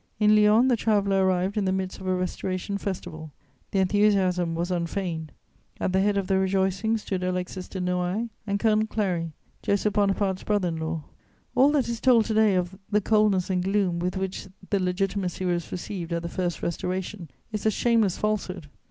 In Lyons, the traveller arrived in the midst of a Restoration festival. The enthusiasm was unfeigned. At the head of the rejoicings stood Alexis de Noailles and Colonel Clary, Joseph Bonaparte's brother in law. All that is told to day of the coldness and gloom with which the Legitimacy was received at the First Restoration is a shameless falsehood.